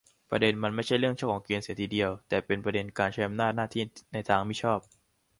ประเด็นมันไม่ใช่เรื่องช่องของเกณฑ์เสียทีเดียวด้วย แต่เป็นประเด็นการใช้อำนาจหน้าที่ในทางมิชอบ